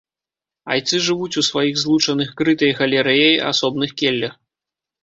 Айцы жывуць у сваіх злучаных крытай галерэяй асобных келлях.